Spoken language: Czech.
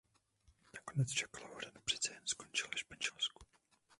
Nakonec však Lauren přece jen skončil ve Španělsku.